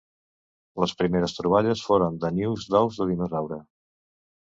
Les primeres troballes foren de nius d'ous de dinosaure.